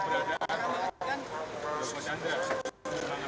berada di depan joko candra